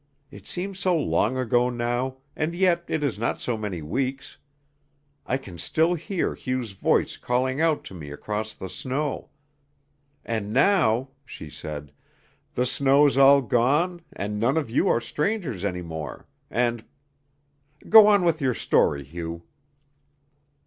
It seems so long ago now, and yet it is not so many weeks. I can still hear Hugh's voice calling out to me across the snow. And now," she said, "the snow's all gone and none of you are strangers any more, and Go on with your story, Hugh."